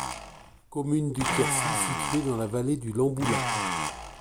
Commune du Quercy située dans la vallée du Lemboulas.